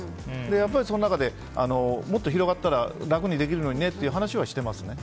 やっぱり、その中でもっと広がったら楽にできるのにねという話はしてますね。